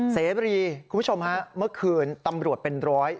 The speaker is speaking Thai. เสรีคุณผู้ชมฮะเมื่อคืนตำรวจเป็นร้อย